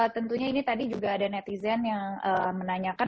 tentunya ini tadi juga ada netizen yang menanyakan